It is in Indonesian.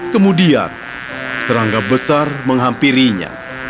kemudian serangga besar menghampirinya